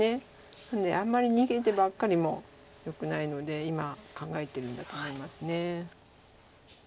なのであんまり逃げてばっかりもよくないので今考えてるんだと思います。